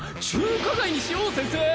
中華街にしよう先生。